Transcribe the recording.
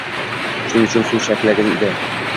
Shuning uchun suv chakillagan edi.